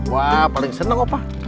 wah paling seneng opah